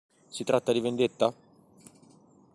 Si tratta di vendetta?